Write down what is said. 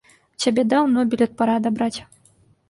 У цябе даўно білет пара адабраць.